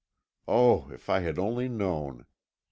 Oh, if I had only known!